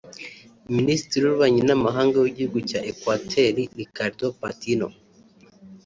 Minisitiri w’ububanyi n’amahanga w’igihugu cya Equateur Ricardo Patiño